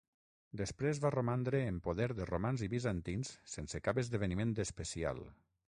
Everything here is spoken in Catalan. Després, va romandre en poder de romans i bizantins sense cap esdeveniment especial.